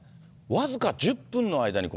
僅か１０分の間に、